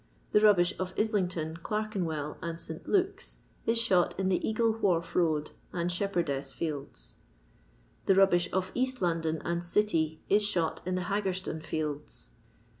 The rubbish «f Islington, Clerkenwell, and St. Luke's, is shot in the Kagle Wharf road and Shepherdess fields. The rubbish of Bast London and City is shot in the Haggerstone fields.